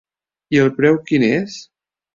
I el preu quin és?